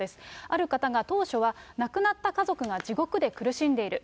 ある方が当初は亡くなった家族が地獄で苦しんでいる。